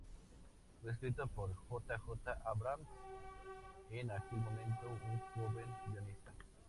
Fue escrito por J. J. Abrams, en aquel momento un joven guionista.